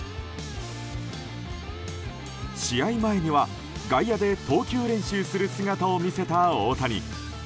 試合前には外野で投球練習をする姿を見せた大谷。